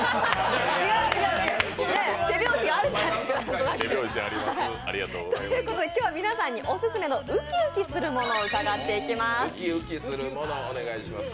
違う、違う、手拍子があるじゃないですか今日は皆さんにオススメのウキウキするものを伺っていきます